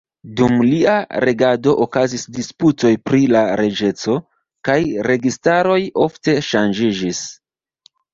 Dum lia regado okazis disputoj pri la reĝeco, kaj registaroj ofte ŝanĝiĝis.